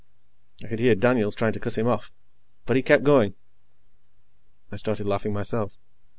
I could hear Daniels trying to cut him off. But he kept going. I started laughing myself.